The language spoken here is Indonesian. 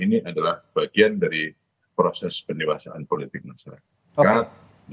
ini adalah bagian dari proses pendewasaan politik masyarakat